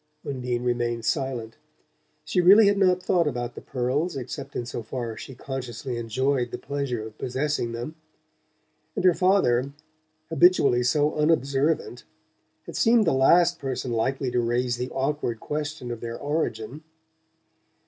Undine remained silent. She really had not thought about the pearls, except in so far as she consciously enjoyed the pleasure of possessing them; and her father, habitually so unobservant, had seemed the last person likely to raise the awkward question of their origin.